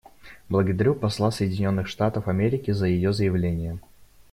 Благодарю посла Соединенных Штатов Америки за ее заявление.